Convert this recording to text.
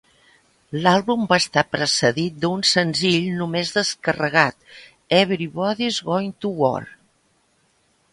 L'àlbum va estar precedit d'un senzill només descarregat, "Everybody's Gone to War".